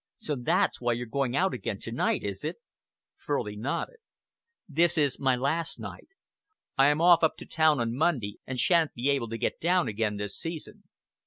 "So that's why you're going out again to night, is it?" Furley nodded. "This is my last night. I am off up to town on Monday and sha'n't be able to get down again this season."